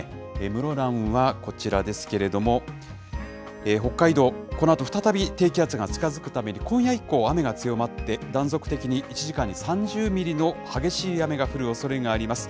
室蘭はこちらですけれども、北海道、このあと再び、低気圧が近づくために、今夜以降、雨が強まって断続的に、１時間に３０ミリの激しい雨が降るおそれがあります。